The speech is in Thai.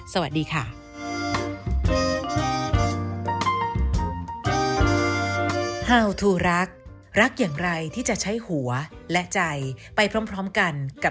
สวัสดีค่ะ